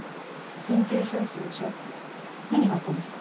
緊急招集でしょ何があったんですか？